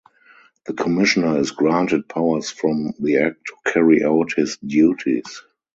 The Commissioner is granted powers from the act to carry out his duties.